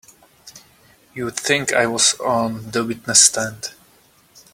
You'd think I was on the witness stand!